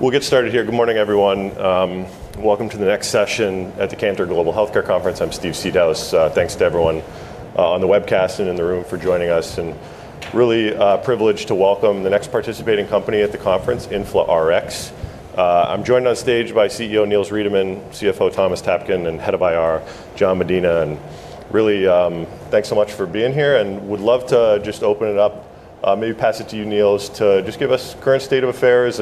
Good morning everyone. Welcome to the next session at the Cantor Global Healthcare Conference. I'm Steve Seedaus. Thanks to everyone on the webcast and in the room for joining us and really privileged to welcome the next participating company at the conference, InflaRx. I'm joined on stage by CEO Niels Reidemann, CFO Thomas Tapkin and Head of IR, John Medina. Really, thanks so much for being here and would love to just open it up, maybe pass it to you Niels to just give us current state of affairs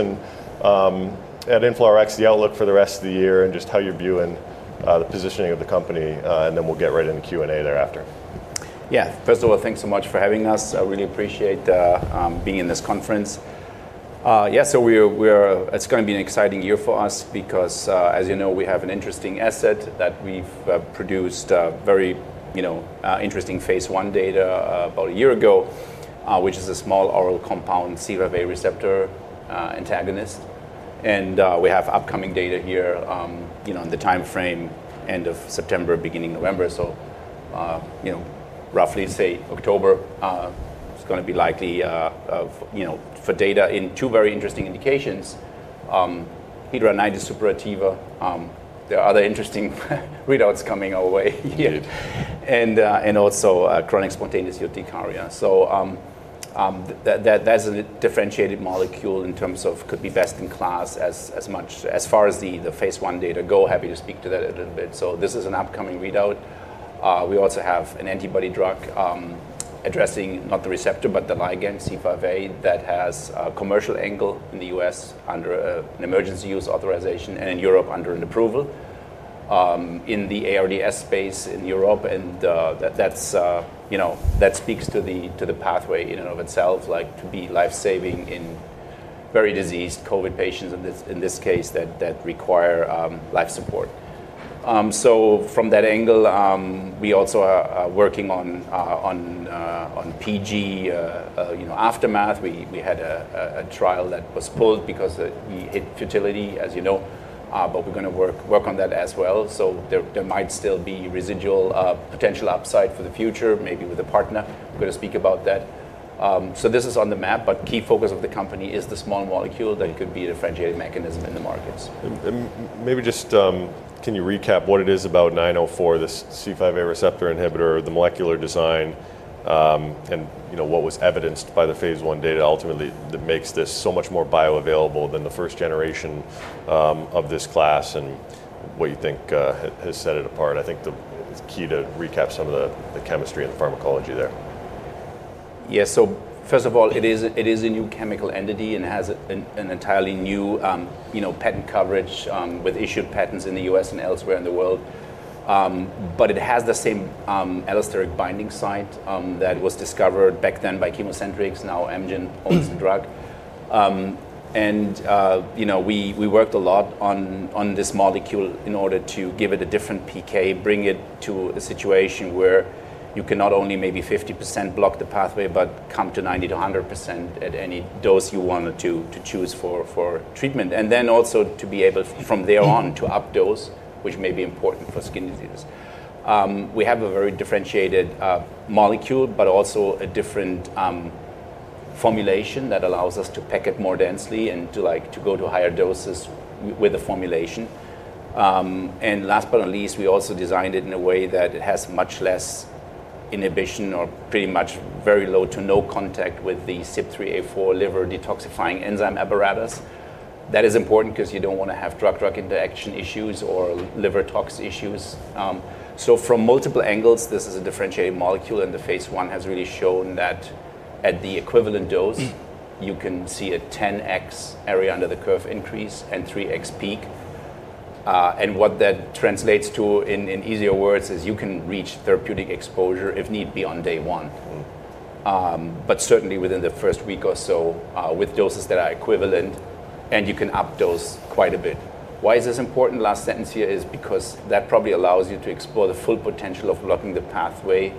and at InflowRx, the outlook for the rest of the year and just how you're viewing the positioning of the company, and then we'll get right into Q and A thereafter. Yeah. First of all, thanks so much for having us. I really appreciate being in this conference. Yes, so we are it's going be an exciting year for us because as you know we have an interesting asset that we've produced very interesting phase one data about a year ago, which is a small oral RavA receptor antagonist and we have upcoming data here, you know, in the timeframe September, beginning November, so you know, roughly say October is gonna be likely of, know, for data in two very interesting indications, hetero-ninety superativa, there are other interesting readouts coming our way here and also chronic spontaneous urticaria. So that's a differentiated molecule in terms of could be best in class as much as far as the phase one data go, happy to speak to that a little bit. So this is an upcoming readout. We also have an antibody drug addressing not the receptor but the ligand C5a that has commercial angle in The U. S. Under an emergency use authorization and in Europe under an approval in the ARDS space in Europe, and that that's, you know, that speaks to the to the pathway in and of itself, like, to be lifesaving in very diseased COVID patients in this in this case that that require life support. So from that angle, we also are working on PG aftermath. We had a trial that was pulled because we hit futility as you know, but we're going to work on that as well. So there might still be residual potential upside for the future, maybe with a partner, we're going to speak about that. So this is on the map, but key focus of the company is the small molecule that could be a differentiated mechanism in the markets. And maybe just can you recap what it is about 09/2004, this C5a receptor inhibitor, the molecular design and what was evidenced by the Phase I data ultimately that makes this so much more bio available than the first generation of this class and what you think has set it apart. Think the key to recap some of the chemistry and pharmacology there. Yes. So first of all, it new is chemical entity and has an entirely new patent coverage with issued patents in The US and elsewhere in the world. But it has the same allosteric binding site that was discovered back then by ChemoCentryx, now Amgen owns the drug. And we worked a lot on this molecule in order to give it a different PK, bring it to a situation where you cannot only maybe 50% block the pathway, but come to 90% to 100% at any dose you wanted to choose for treatment and then also to be able from there on to up dose which may be important for skin diseases. We have a very differentiated molecule but also a different formulation that allows us to pack it more densely and to like to go to higher doses with the formulation. And last but not least, we also designed it in a way that it has much less inhibition or pretty much very low to no contact with the CYP3A4 liver detoxifying enzyme apparatus. That is important because you don't want to have drug drug interaction issues or liver tox issues. So from multiple angles this is a differentiated molecule and the phase one has really shown that at the equivalent dose you can see a 10x area under the curve increase and 3x peak and what that translates to in easier words is you can reach therapeutic exposure if need be on day one. But certainly within the first week or so with doses that are equivalent and you can up dose quite a bit. Why is this important? Last sentence here is because that probably allows you to explore the full potential of blocking the pathway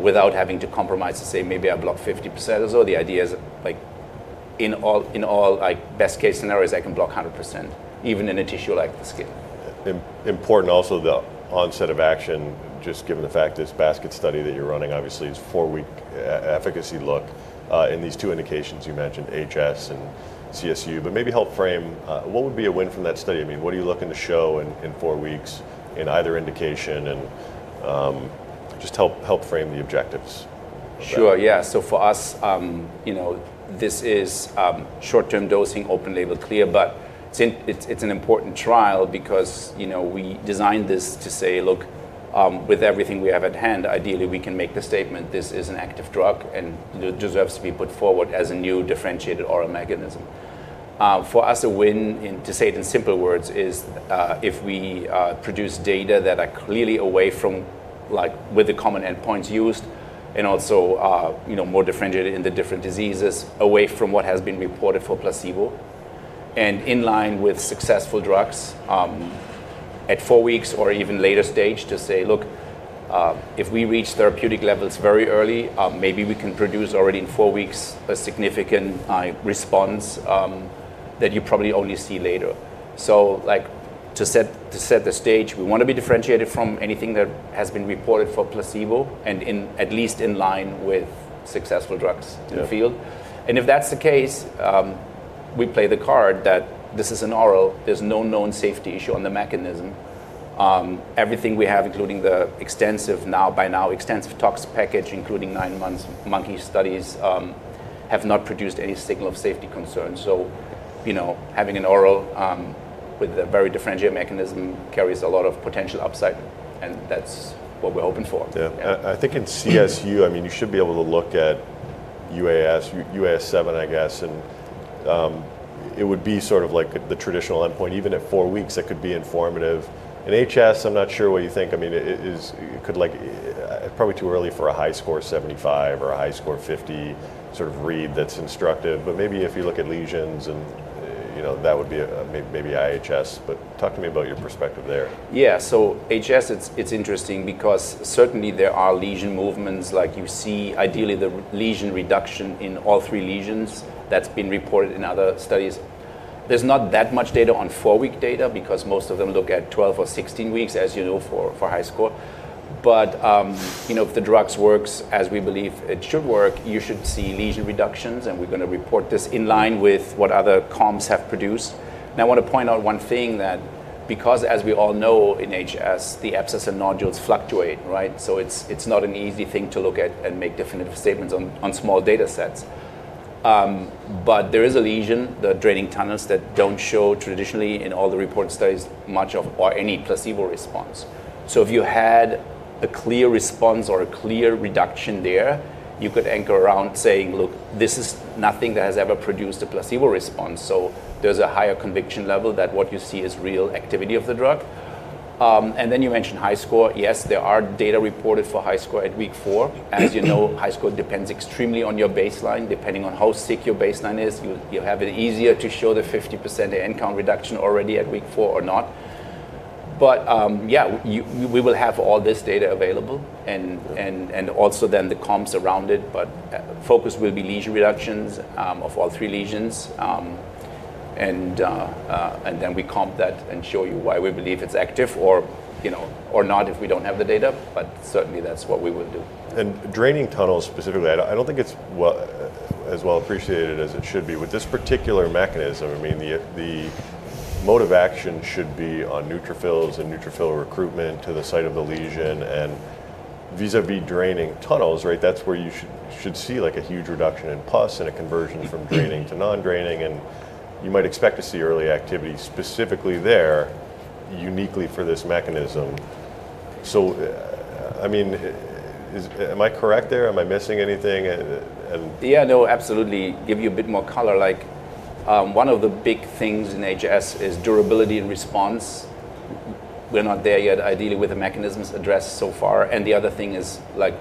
without having to compromise to say maybe I block 50% or so. The idea is like in all like best case scenarios I can block 100% even in a tissue like the skin. Important also the onset of action just given the fact this basket study that you're running obviously is four week efficacy look in these two indications you mentioned, HS and CSU. But maybe help frame what would be a win from that study? I mean, are you looking to show in four weeks in either indication and just help frame the objectives. Sure, yes. So for us, this is short term dosing open label clear but since it's an important trial because we designed this to say look with everything we have hand ideally we can make the statement this is an active drug and deserves to be put forward as a new differentiated oral mechanism. For us a win, to say it in simple words, is, if we, produce data that are clearly away from like with the common endpoints used and also you know more differentiated in the different diseases away from what has been reported for placebo and in line with successful drugs at four weeks or even later stage to say look if we reach therapeutic levels very early, maybe we can produce already in four weeks a significant response that you probably only see later. So like to set the stage, we want to be differentiated from anything that has reported for placebo and in at least in line with successful drugs in And the if that's the case, we play the card that this is an oral, there's no known safety issue on the mechanism. Everything we have including the extensive now by now extensive tox package including nine months monkey studies have not produced any signal of safety concerns. So you know having an oral with a very differentiated mechanism carries a lot of potential upside and that's what we're open for. Yeah. I think in CSU, I mean, should be able to look at UAS, UAS seven I guess and it would be sort of like the traditional endpoint. Even at four weeks, it could be informative. In HS, I'm not sure what you think. I mean, it is it could like probably too early for a high score 75 or a high score 50 sort of read that's instructive. But maybe if you look at lesions and, you know that would be maybe IHS, but talk to me about your perspective there. Yeah. So HS it's interesting because certainly there are lesion movements like you see ideally the lesion reduction in all three lesions that's been reported in other studies. There's not that much data on four week data because most of them look at twelve or sixteen weeks as you know for high score. But you know if the drugs works as we believe it should work, you should reductions and we're going to report this in line with what other coms have produced. Now I want to point out one thing that because as we all know in HS the abscess and nodules fluctuate, right. So it's not an easy thing to look at and make definitive statements on on small datasets. But there is a lesion, the draining tunnels that don't show traditionally in all the report studies much of or any placebo response. So if you had a clear response or a clear reduction there, could anchor around saying look this is nothing that has ever produced a placebo response. So there's a higher conviction level that what you see is real activity of the drug. And then you mentioned high score. Yes, there are data reported for high score at week four. As you know, high score depends extremely on your baseline depending on how sick your baseline is. You have it easier to show the 50 end count reduction already at week four or not. But yeah, we will have all this data available and also then the comps around it but focus will be lesion reductions of all three lesions and then we comp that and show you why we believe it's active or, you know, or not if we don't have the data, but certainly that's what we will do. And draining tunnels specifically, I don't think it's as well appreciated as it should be with this particular mechanism. I mean, the mode of action should be on neutrophils and neutrophil recruitment to the site of the lesion and vis a vis draining tunnels, right, that's where you should see like a huge reduction in pus and a conversion from draining to non draining and you might expect to see early activity specifically there uniquely for this mechanism. So I mean, is am I correct there? Am I missing anything? Yeah. No. Absolutely. Give you a bit more color like one of the big things in HS is durability and response. We're not there yet ideally with the mechanisms addressed so far and the other thing is like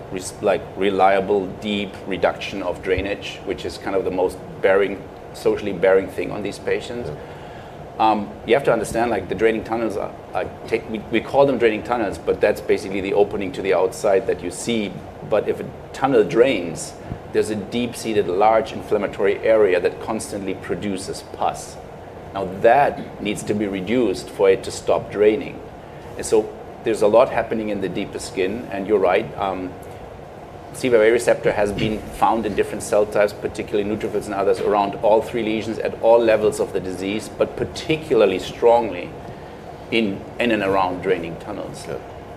reliable deep reduction of drainage which is kind of the most bearing socially bearing thing on these patients. You have to understand like the draining tunnels are, we call them draining tunnels but that's basically the opening to the outside that you see but if a tunnel drains, there's a deep seated large inflammatory area constantly produces pus. Now that needs to be reduced for it to stop draining. And so there's a lot happening in the deeper skin and you're right, C. V. A receptor has been found in different cell types, particularly neutrophils and others around all three lesions at all levels of the disease but particularly strongly in and around draining tunnels.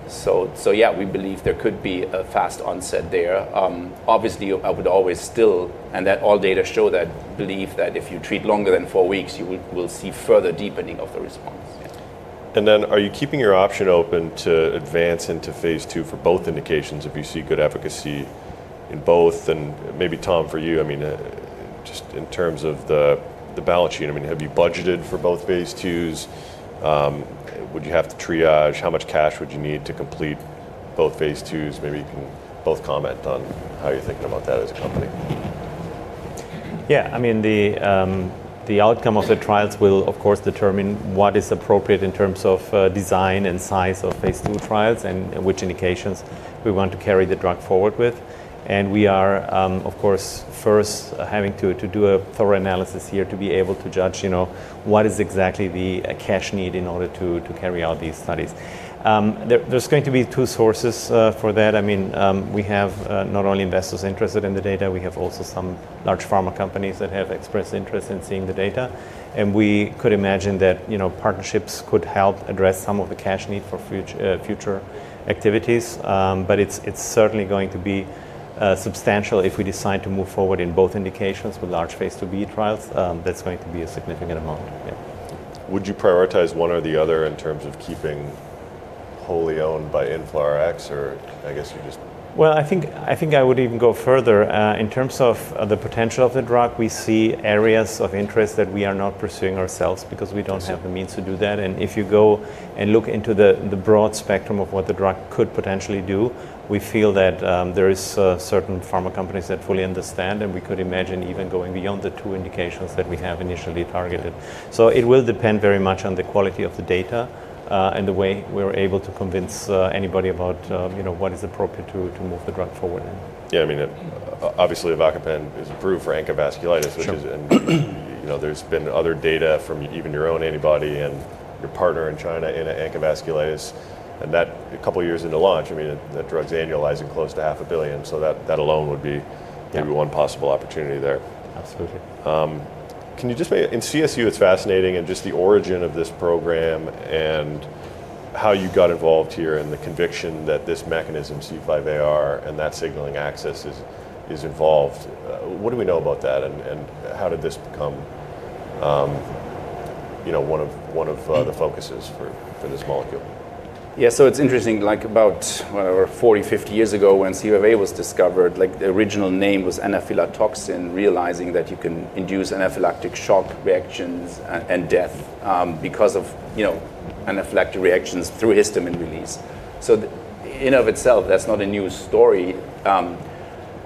So yeah, we believe there could be a fast onset there. Obviously I would always still and that all data show that belief that if you treat longer than four weeks you will see further deepening of the response. And then are you keeping your option open to advance into Phase II for both indications if you see good efficacy in both? And maybe Tom, for you, I mean, just in terms of the balance sheet, I mean, have you budgeted for both Phase IIs? Would you have to triage? How much cash would you need to complete both Phase IIs, maybe you can both comment on how you're thinking about that as a company. Yeah, I mean the outcome of the trials will of course determine what is appropriate in terms of design and size of Phase II trials and which indications we want to carry the drug forward with. And we are of course first having to do a thorough analysis here to be able to judge what is exactly the cash need in order to carry out these studies. There there's going to be two sources for that. I mean, we have not only investors interested in the data, we have also some large pharma companies that have expressed interest in seeing the data. And we could imagine that, you know, partnerships could help address some of the cash need for future activities. But it's certainly going to be substantial if we decide to move forward in both indications with large Phase 2b trials, that's going to be a significant amount. Would you prioritize one or the other in terms of keeping wholly owned by Influrax or I guess you just Well I think I would even go further. In terms of the potential of the drug, we see areas of interest that we are not pursuing ourselves because we don't have the means to do that and if you go and look into the broad spectrum of what the drug could potentially do, we feel that there is certain pharma companies that fully understand and we could imagine even going beyond the two indications that we have initially targeted. So it will depend very much on the quality of the data and the way we're able to convince anybody about what is appropriate to move the drug forward. Yeah, mean obviously Avacopan is approved for ANCA vasculitis, which is and there's been other data from even your own antibody and your partner in China in ANCA vasculase and that a couple years into launch, mean, that drug's annualizing close to half a billion. That that alone would be maybe one possible opportunity there. Absolutely. Can you just make in CSU it's fascinating and just the origin of this program and how you got involved here and the conviction that this mechanism c five a r and that signaling access is is involved. What do we know about that and and how did this become, you know, one of one of the focuses for this molecule. Yes, so it's interesting, like about forty, fifty years ago when CFA was discovered, the original name was anaphylatoxin, realizing that you can induce anaphylactic shock reactions and death because of anaphylactic reactions through histamine release. So in of itself that's not a new story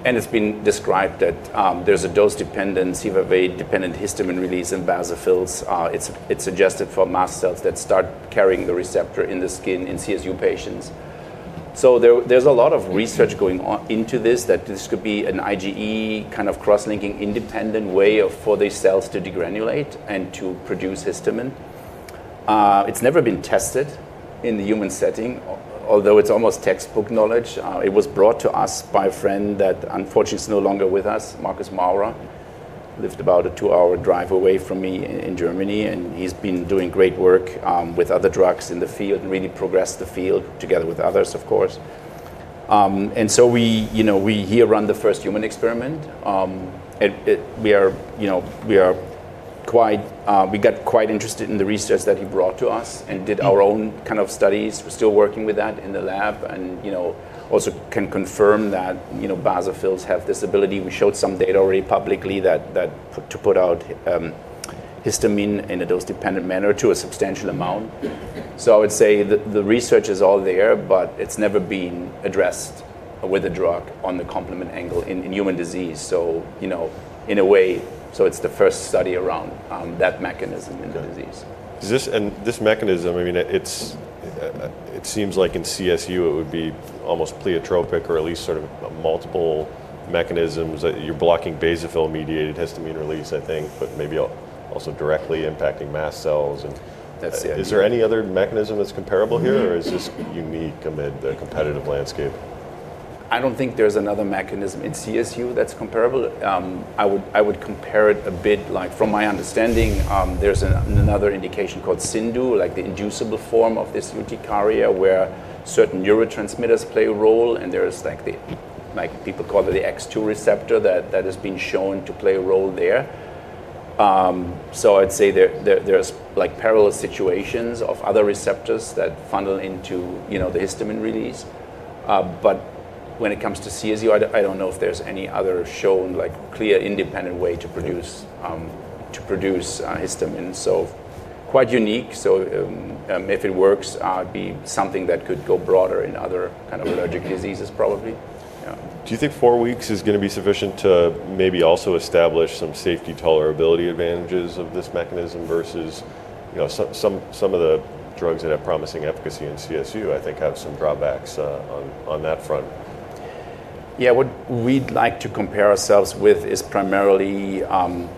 and it's been described that there's a dose dependent, c. V. V. Dependent histamine release in basophils. It's suggested for mast cells that start carrying the receptor in the skin in CSU patients. So there's a lot of research going on into this that this could be an IgE kind of cross linking independent way for these cells to degranulate and to produce histamine. It's never been tested in the human setting although it's almost textbook knowledge. It was brought to us by a friend that unfortunately is no longer with us, Markus Mauer, lived about a two hour drive away from me in Germany and he's been doing great work with other drugs in the field and really progressed the field together with others of course. And so we, you know, we here run the first human experiment. It it we are, you know, we are quite we got quite interested in the research that he brought to us and did our own kind of studies. We're still working with that in the lab and, you know, can confirm that, you know, basophils have this ability. We showed some data already publicly that to put out histamine in a dose dependent manner to a substantial amount. So I would say the research is all there but it's never been addressed with a drug on the complement angle in human disease. You know, in a way, so it's the first study around that mechanism in the disease. This mechanism, I mean, it seems like in CSU it would be almost pleiotropic or at least sort of multiple mechanisms that you're blocking basophil mediated histamine release, I think, but maybe also directly impacting mast cells and That's it. Is there any other mechanism that's comparable here or is this unique amid the competitive landscape? I don't think there's another mechanism in CSU that's comparable. I would I would compare it a bit like from my understanding, there's another indication called Sindu, like the inducible form of this urticaria where certain neurotransmitters play a role and there's like the like people call it the X2 receptor that that has been shown to play a role there. So I'd say there's like parallel situations of other receptors that funnel into the histamine release. But when it comes to CSU, don't know if there's any other shown like clear independent way produce histamine. Quite unique, if it works, it'd be something that could go broader in other kind of allergic diseases probably. Do you think four weeks is going to be sufficient to maybe also establish some safety tolerability advantages of this mechanism versus some of the drugs that have promising efficacy in CSU I think have some drawbacks on that front? Yeah, what we'd like to compare ourselves with is primarily on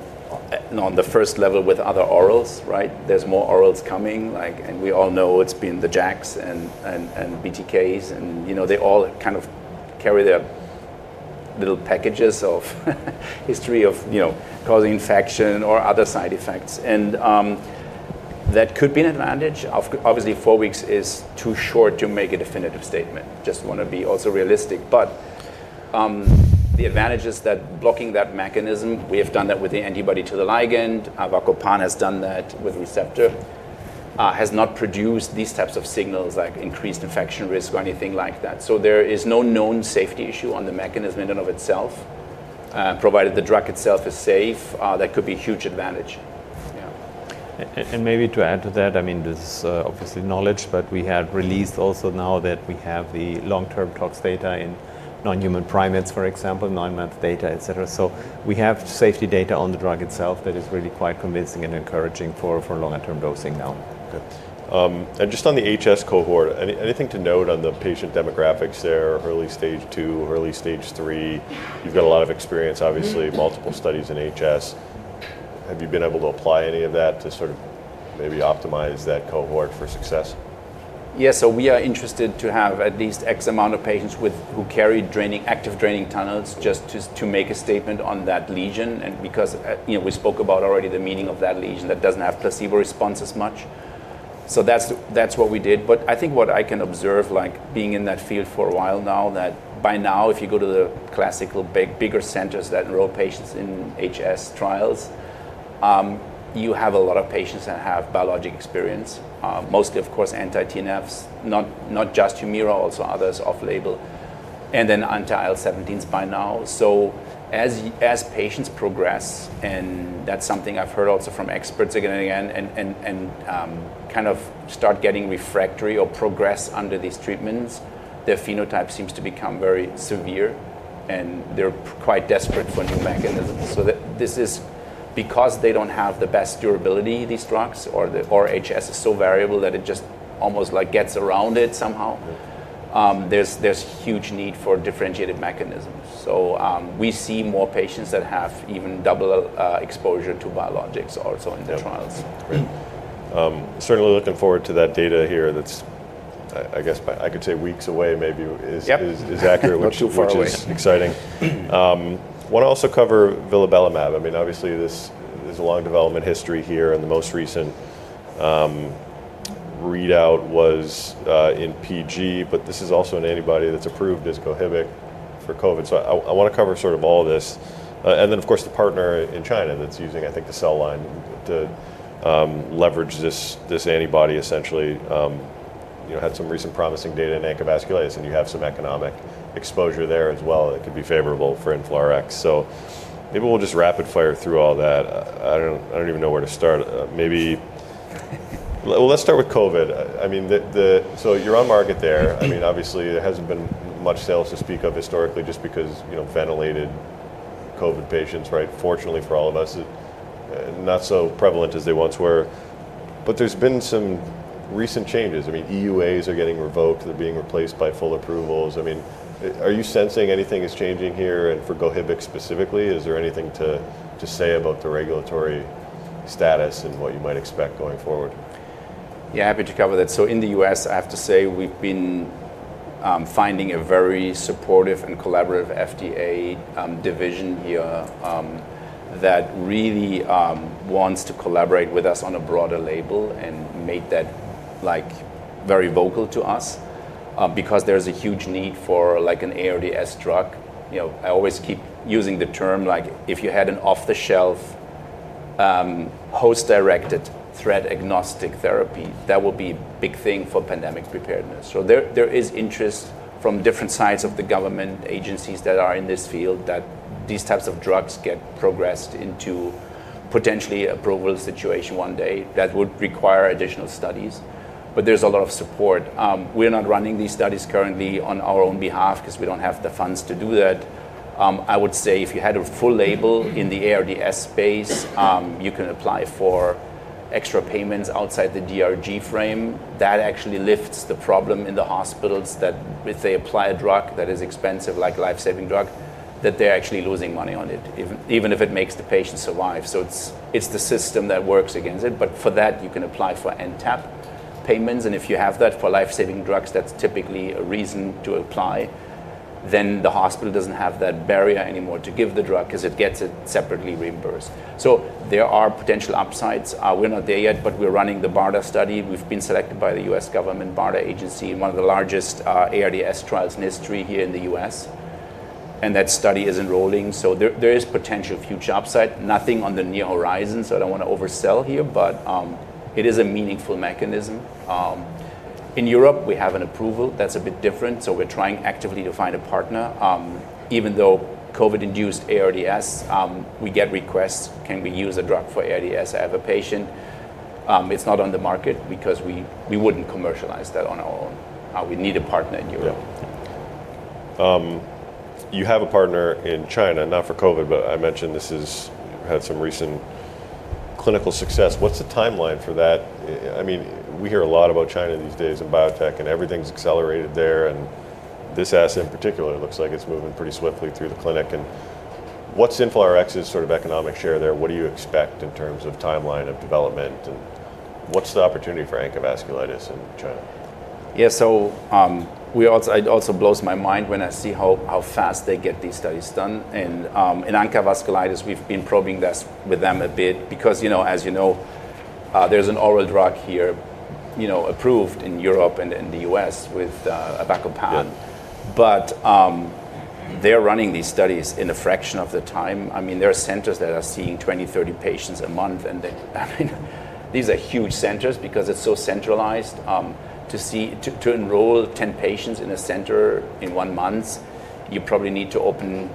the first level with other orals, right? There's more orals coming, like, and we all know it's been the JAKs and and BTKs and, you know, they all kind of carry their little packages of history of causing infection or other side effects and that could be an advantage. Obviously four weeks is too short to make a definitive statement. Just want to be also realistic. But the advantage is that blocking that mechanism, we have done that with the antibody to the ligand, avacopan has done that with receptor, has not produced these types of signals like increased infection risk or anything like that. So there is no known safety issue on the mechanism in and of itself Provided the drug itself is safe, that could be a huge advantage. And maybe to add to that, I mean this is obviously knowledge, but we have released also now that we have the long term tox data in non human primates for example, nine month data, etcetera. So we have safety data on the drug itself that is really quite convincing and encouraging for longer term dosing now. And just on the HS cohort, anything to note on the patient demographics there, early stage two, early stage three? You've got a lot of experience obviously, multiple studies in HS. Have you been able to apply any of that to sort of maybe optimize that cohort for success? Yes. So we are interested to have at least x amount of patients with who carry draining active draining tunnels just to make a statement on that lesion and because you know we spoke about already the meaning of that lesion that doesn't have placebo response as much. So that's that's what we did but I think what I can observe like being in that field for a while now that by now if you go to the classical big bigger centers that enroll patients in HS trials, you have a lot of patients that have biologic experience, mostly of course anti TNFs, not just Humira also others off label and then anti IL-17s by now. So as patients progress and that's something I've heard also from experts again and again and kind of start getting refractory or progress under these treatments, their phenotype seems to become very severe and they're quite desperate for new mechanisms. So this is because they don't have the best durability these drugs or HS is so variable that it just almost like gets around it somehow. There's huge need for differentiated mechanisms. So we see more patients that have even double exposure to biologics also in their Certainly looking forward to that data here that's I guess I could say weeks away maybe is is accurate which exciting. I wanna also cover Vilabelumab. Mean, obviously, this is a long development history here and the most recent readout was in PG but this is also an antibody that's approved as Cohibic for COVID. So I I wanna cover sort of all this. And then of course the partner in China that's using I think the cell line to leverage this this antibody essentially, you had some recent promising data in ANCA vasculitis and you have some economic exposure there as well. It could be favorable for Inflorex. So maybe we'll just rapid fire through all that. I don't I don't even know where to start. Maybe let's start with COVID. I mean, the the so you're on market there. I mean, obviously, there hasn't been much sales to speak of historically just because, you know, ventilated COVID patients, right, fortunately for all of us, not so prevalent as they once were. But there's been some recent changes. I mean, EUAs are getting revoked. They're being replaced by full approvals. I mean, are you sensing anything is changing here and for GoHibix specifically? Is there anything to say about the regulatory status and what you might expect going forward? Yes, happy to cover that. So in The U. S, I have to say we've been finding a very supportive and collaborative FDA division here that really wants to collaborate with us on a broader label and make that like very vocal to us because there's a huge need for like an ARDS drug. I always keep using the term like if you had an off the shelf host directed threat agnostic therapy, that will be a big thing for pandemic preparedness. So there is interest from different sides of the government agencies that are in this field that these types of drugs get progressed into potentially approval situation one day that would require additional studies. But there's a lot of support. We're not running these studies currently on our own behalf because we don't have the funds to do that. I would say if you had a full label in the ARDS space, you can apply for extra payments outside the DRG frame. That actually lifts the problem in the hospitals that if they apply a drug that is expensive like life saving drug that they're actually losing money on it even if it makes the patient survive. So it's the system that works against it but for that you can apply for NTAP payments and if you have that for life saving drugs that's typically a reason to apply Then the hospital doesn't have that barrier anymore to give the drug because it gets it separately reimbursed. So there are potential upsides. We're not there yet, but we're running the BARDA study. We've been selected by the US government BARDA agency, one of the largest ARDS trials in history here in The US. And that study is enrolling, so there is potential for huge upside. Nothing on the near horizon, so I don't want to oversell here, but it is a meaningful mechanism. In Europe, we have an approval that's a bit different, so we're trying actively to find a partner. Even though COVID induced ARDS, we get requests, can we use a drug for ARDS? I have a patient. It's not on the market because we wouldn't commercialize that on our own. We need a partner in Europe. You have a partner in China, not for COVID, but I mentioned this is had some recent clinical success. What's the timeline for that? I mean, we hear a lot about China these days in biotech and everything's accelerated there. And this asset in particular looks like it's moving pretty swiftly through the clinic. What's Influorx's sort of economic share there? What do you expect in terms of timeline of development? What's the opportunity for ANCA vasculitis in China? Yeah. So we also it also blows my mind when I see how how fast they get these studies done. And in ANCA vasculitis, we've been probing this with them a bit because, you know, as you know, there's an oral drug here, you know, approved in Europe and in The US with abacopan. But they're running these studies in a fraction of the time. I mean, there are centers that are seeing twenty, thirty patients a month and then these are huge centers because it's so centralized to see to enroll 10 patients in a center in one month, you probably need to open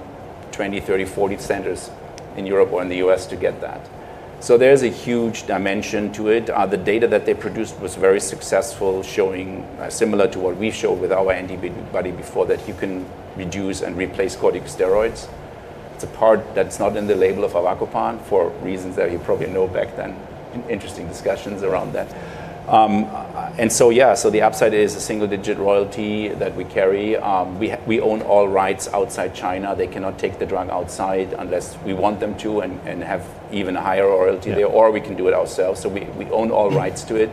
twenty, thirty, 40 centers in Europe or in The US to get that. So there's a huge dimension to it. The data that they produced was very successful showing similar to what we showed with our antibody before that you can reduce and replace corticosteroids. It's a part that's not in the label of Avacopan for reasons that you probably know back then. Interesting discussions around that. And so, yeah, so the upside is a single digit royalty that we carry. We we own all rights outside China. They cannot take the drug outside unless we want them to and and have even a higher royalty there or we can do it ourselves. So we we own all rights to it.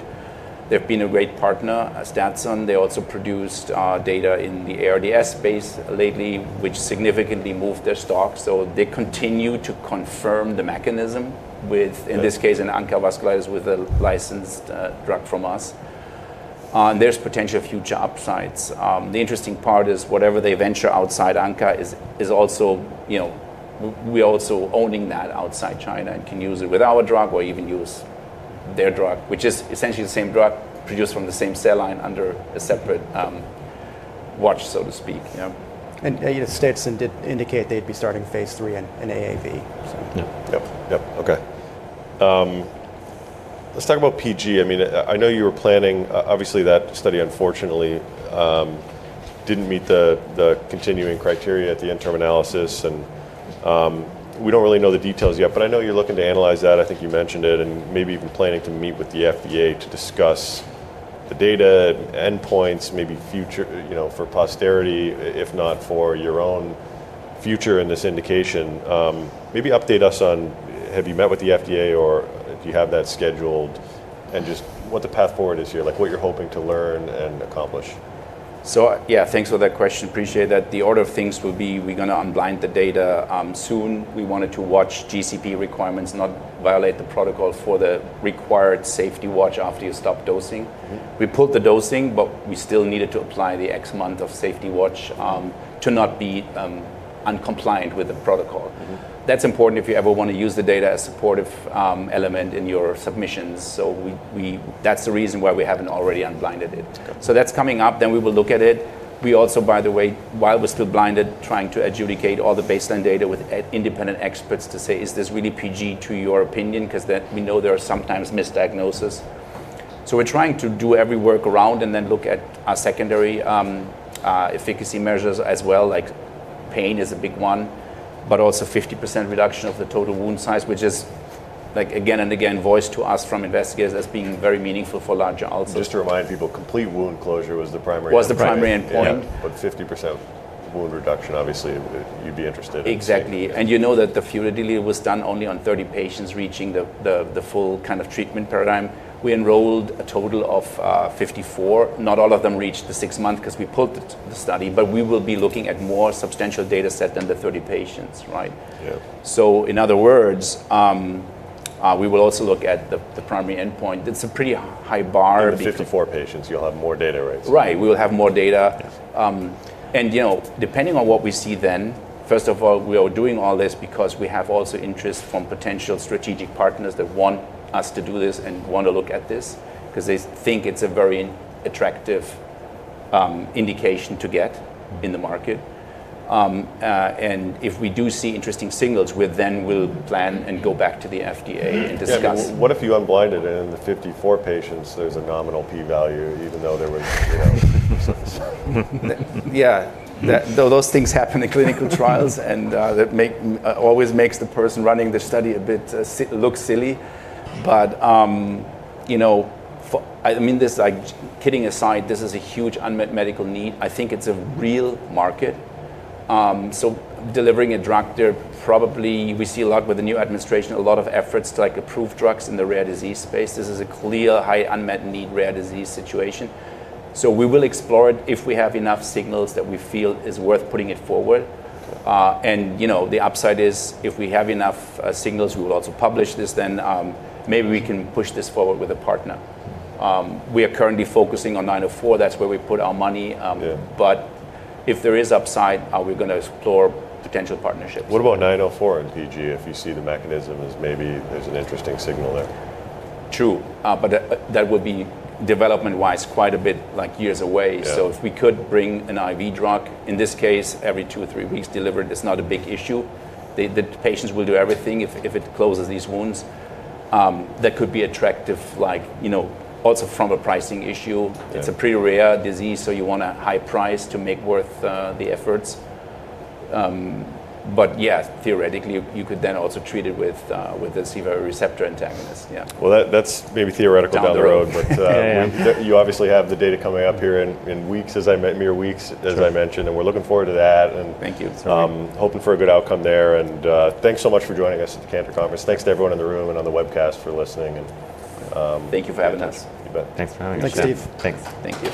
They've been a great partner, Statsun. They also produced data in the ARDS space lately, which significantly moved their stock. So they continue to confirm the mechanism with, in this case, an ANCA vasculitis with a licensed drug from us. There's potential of huge upsides. The interesting part is whatever they venture outside ANCA is also, you know, we're also owning that outside China and can use it with our drug or even use their drug, which is essentially the same drug produced from the same cell line under a separate watch, so to speak, you know. And The United States did indicate they'd be starting Phase III in AAV. Yep, okay. Let's talk about PG. I mean, I know you were planning obviously that study unfortunately didn't meet the continuing criteria at the interim analysis and we don't really know the details yet, but I know you're looking to analyze that. I think you mentioned it and maybe even planning to meet with the FDA to discuss the data endpoints maybe future, you know, for posterity if not for your own future in this indication. Maybe update us on have you met with the FDA or do you have that scheduled and just what the path forward is here, like what you're hoping to learn and accomplish? So, yes, thanks for that question. Appreciate that. The order of things will be we're going to unblind the data soon. We wanted to watch GCP requirements, not violate the protocol for the required safety watch after you stop dosing. We put the dosing, but we still needed to apply the X month of safety watch to not be uncompliant with the protocol. That's important if you ever want to use the data as supportive element in your submissions. So we we that's the reason why we haven't already un blinded it. So that's coming up, then we will look at it. We also by the way, while we're still blinded trying to adjudicate all the baseline data with independent experts to say is this really PG to your opinion because that we know there are sometimes misdiagnosis. So we're trying to do every work around and then look at our secondary efficacy measures as well like pain is a big one, but also fifty percent reduction of the total wound size which is like again and again voiced to us from investigators as being very meaningful for larger also. Just to remind people, complete wound closure was the primary endpoint. But fifty percent wound reduction obviously you'd be interested in Exactly. And you know that the FURIDILIA was done only on thirty patients reaching the full kind of treatment paradigm. We enrolled a total of 54, not all of them reached the six month because we put the study but we will be looking at more substantial data set than the 30 patients, right? Yeah. So in other words, we will also look at the primary endpoint. That's a pretty high bar fifty four patients, you have more data rates. Right. We will have more data and you know, depending on what we see then, first of all, we are doing all this because we have also interest from potential strategic partners that want us to do this and want to look at this. Because they think it's a very attractive indication to get in the market. And if we do see interesting signals with them, we'll plan and go back to the FDA and discuss. And if you unblinded it and the 54 there's a nominal p value even though there was zero? Yeah, those things happen in clinical trials and that make always makes the person running the study a bit look silly, but you know, I mean this like, kidding aside, this is a huge unmet medical need. I think it's a real market. So delivering a drug there probably we see a lot with the new administration, a lot of efforts to like approve drugs in the rare disease space. This is a clear high unmet need rare disease situation. So we will explore it if we have enough signals that we feel is worth putting it forward. And you know, the upside is if we have enough signals, will also publish this then maybe we can push this forward with a partner. We are currently focusing on nine zero four, that's where we put our money. Yeah. But if there is upside, are we gonna explore potential partnerships? What about nine zero four in PG, if you see the mechanism as maybe there's an interesting signal there? True. But that would be development wise quite a bit like years away. Yeah. So if we could bring an IV drug, in this case every two or three weeks delivered, it's not a big issue. The the patients will do everything if if it closes these wounds. That could be attractive like, know, also from a pricing issue. Yeah. It's a pretty rare disease, so you want a high price to make worth efforts. But yes, theoretically you could then also treat it with the C. Va receptor antagonist. That's maybe theoretical but down the you obviously have the data coming up here in weeks as I mere weeks as I mentioned and we're looking forward to that Hoping for a good outcome there. And thanks so much for joining us at the Cantor conference. Thanks to everyone in the room and on the webcast for listening and Thank you for having us. You bet. Thanks for having us. Thanks, Steve. Thanks. Thank you.